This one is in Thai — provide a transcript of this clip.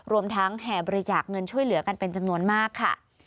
รวมทั้งแห่บริจาคเงินช่วยเหลือกันเป็นจำนวนมากค่ะ